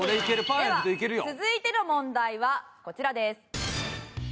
では続いての問題はこちらです。